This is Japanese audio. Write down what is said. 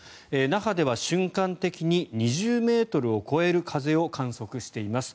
那覇では瞬間的に２０ｍを超える風を観測しています。